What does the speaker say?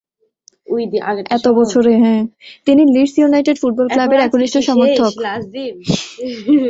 তিনি Leeds United football ক্লাবের একনিষ্ঠ সমর্থক।